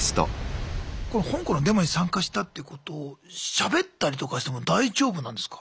香港のデモに参加したってことをしゃべったりとかしても大丈夫なんですか？